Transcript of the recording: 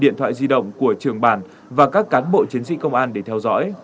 điện thoại di động của trường bàn và các cán bộ chiến sĩ công an để theo dõi